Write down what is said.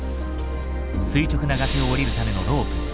垂直な崖を下りるためのロープ。